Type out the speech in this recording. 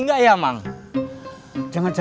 baik bukan paham pak